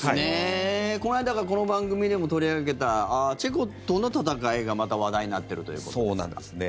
この間この番組でも取り上げたチェコとの戦いが、また話題になってるということですが。